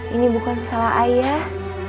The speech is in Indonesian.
ini bukan salah ayah